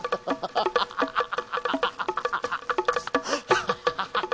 ハハハハ。